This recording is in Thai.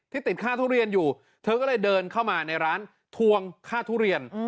ติดค่าทุเรียนอยู่เธอก็เลยเดินเข้ามาในร้านทวงค่าทุเรียน